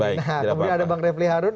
nah kemudian ada bang refli harun